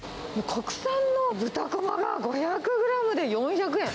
国産の豚こまが５００グラムで４００円。